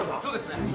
そうですね。